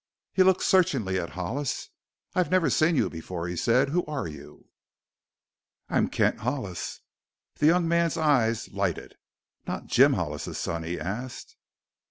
He looked searchingly at Hollis. "I've never seen you before," he said. "Who are you?" "I am Kent Hollis." The young man's eyes lighted. "Not Jim Hollis's son?" he asked.